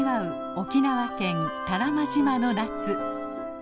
沖縄県多良間島の夏。